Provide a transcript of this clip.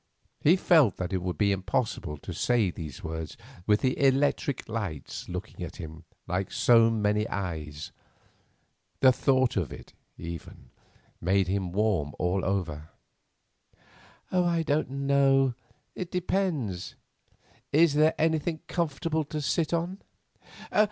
He felt that it would be impossible to say those words with the electric lights looking at him like so many eyes. The thought of it, even, made him warm all over. "I don't know; it depends. Is there anything comfortable to sit on?"